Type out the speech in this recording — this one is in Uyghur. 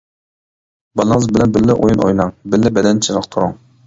بالىڭىز بىلەن بىللە ئويۇن ئويناڭ، بىللە بەدەن چېنىقتۇرۇڭ.